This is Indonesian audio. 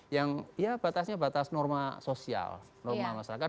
yang ya batasnya batas norma sosial norma masyarakat